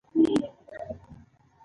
د فلزونو مخ د غوړیو رنګ په واسطه رنګ کړئ.